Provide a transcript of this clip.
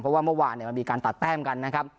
เพราะว่าเมื่อวานมันมีการตัดแต้มกันนะครับ